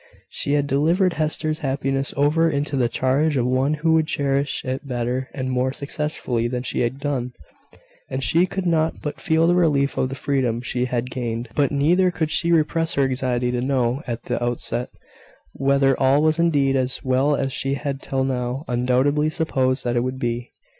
She had delivered Hester's happiness over into the charge of one who would cherish it better and more successfully than she had done; and she could not but feel the relief of the freedom she had gained: but neither could she repress her anxiety to know, at the outset, whether all was indeed as well as she had till now undoubtingly supposed that it would be.